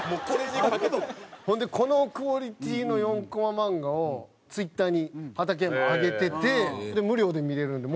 ほんでこのクオリティーの４コマ漫画をＴｗｉｔｔｅｒに畠山が上げてて無料で見れるんでもし。